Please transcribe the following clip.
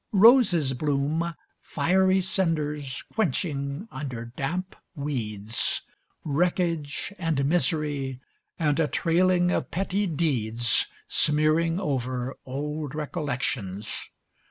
Roses bloom, fiery cinders quenching under damp weeds. Wreckage and misery, and a trailing of petty deeds smearing over old recollections.